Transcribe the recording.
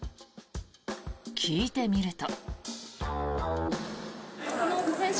聞いてみると。